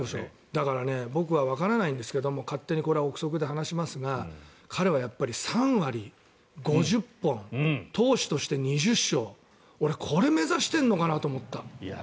だから僕はわからないんですがこれは勝手に臆測で話しますが彼は３割５０本投手として２０勝俺、これを目指しているのかなと思った。